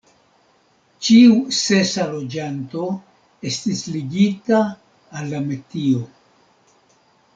Ĉiu sesa loĝanto estis ligita al la metio.